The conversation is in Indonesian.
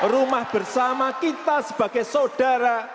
rumah bersama kita sebagai saudara